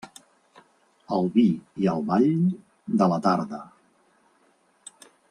Al vi i al ball, de la tarda.